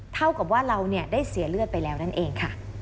เท่ากับว่าเราได้เสียเลือดไปแล้วนั่นเองค่ะ